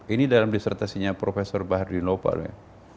ini dalam disertasinya profesor bahar dinoval ya